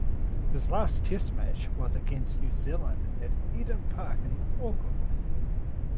His last test match was against New Zealand at Eden Park in Auckland.